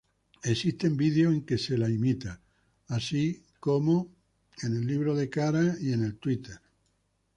Existen videos en que se la imita, así como en Facebook y Twitter.